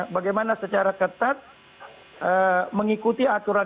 bagaimana secara ketat mengikuti atas kebijakan